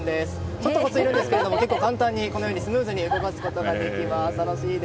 ちょっとコツはいるんですが結構簡単にスムーズに動かすことができます。